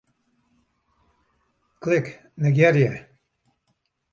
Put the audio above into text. Klik Negearje.